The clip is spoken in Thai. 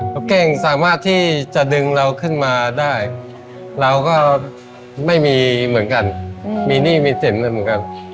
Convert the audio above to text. เก้งสามารถที่จะดึงเราขึ้นมาได้เราก็ไม่มีเหมือนกันมีหนี้มีสินอะไรเหมือนกัน